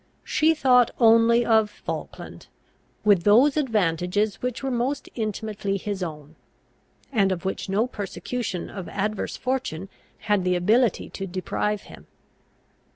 She thought only of Falkland, with those advantages which were most intimately his own, and of which no persecution of adverse fortune had the ability to deprive him.